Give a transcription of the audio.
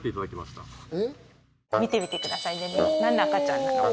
見てみてください何の赤ちゃんなのか。